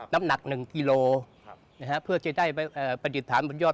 น้ำหนักหนึ่งกิโลเพื่อจะได้ปฏิตฐานบุญยอบ